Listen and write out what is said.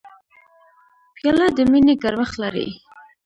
پیاله د مینې ګرمښت لري.